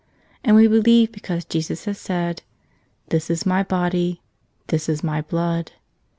And we believe because Jesus has said, "This is My Body," "This is My Blood."